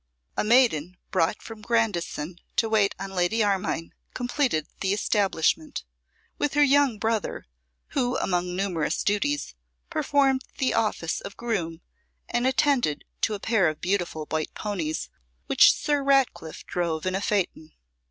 A maiden brought from Grandison to wait on Lady Armine completed the establishment, with her young brother, who, among numerous duties, performed the office of groom, and attended to a pair of beautiful white ponies which Sir Ratcliffe drove in a phaeton.